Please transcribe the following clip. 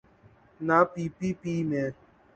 نہ پی پی پی میں۔